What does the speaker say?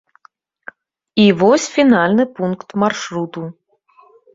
І вось фінальны пункт маршруту.